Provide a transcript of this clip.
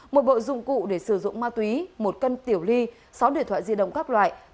một bộ dụng cụ để sử dụng ma túy một cân tiểu ly sáu điện thoại di động các loại